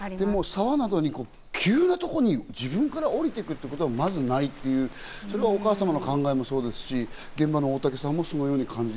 でも沢などに、急なところに自分から下りていくということはまずないっていう、それがお母様の考えもそうですし、現場の大竹さんもそういう感じ、